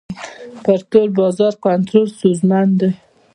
پر تور بازار کنټرول ستونزمن دی.